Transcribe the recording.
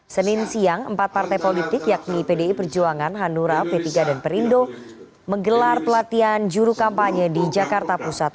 senin siang empat partai politik yakni pdi perjuangan hanura p tiga dan perindo menggelar pelatihan juru kampanye di jakarta pusat